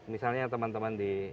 misalnya teman teman di